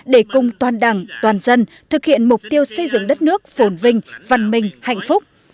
để cùng toàn đảng toàn dân thực hiện mục tiêu xây dựng đất nước phồn vinh văn minh hạnh phúc